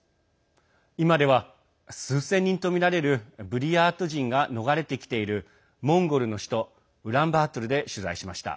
今では数千人とみられるブリヤート人が逃れてきているモンゴルの首都ウランバートルで取材しました。